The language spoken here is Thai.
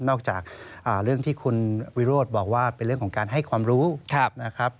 จากเรื่องที่คุณวิโรธบอกว่าเป็นเรื่องของการให้ความรู้นะครับ